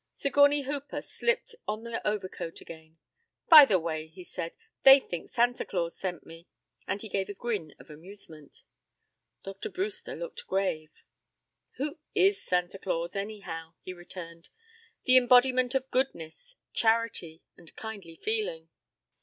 Sigourney Hooper slipped on his overcoat again. "By the way," he said, "they think Santa Claus sent me," and he gave a grin of amusement. Dr. Brewster looked grave. "Who is Santa Claus, anyhow?" he returned. "The embodiment of goodness, charity and kindly feeling."